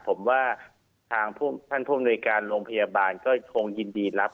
ผมว่าทางท่านผู้อำนวยการโรงพยาบาลก็คงยินดีรับ